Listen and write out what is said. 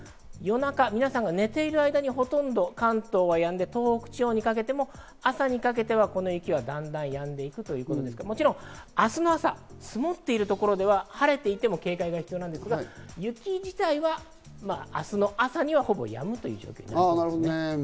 皆さんが寝ている間に関東はやんで、東北地方にかけても朝にかけては、この雪はだんだんやんでいくということですから、明日の朝、積もっている所では晴れていても警戒が必要ですが雪自体は明日の朝には、ほぼやむという予報です。